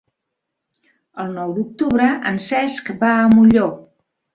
El nou d'octubre en Cesc va a Molló.